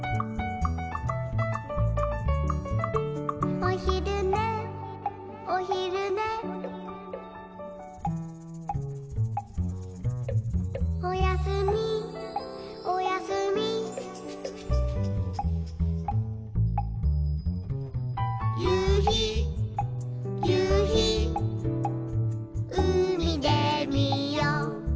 「おひるねおひるね」「おやすみおやすみ」「ゆうひゆうひうみでみよう」